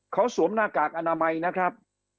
เขาสวมหน้ากากอนามัยนะครับ